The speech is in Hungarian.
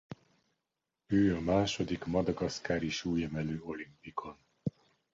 Ő a második madagaszkári súlyemelő olimpikon.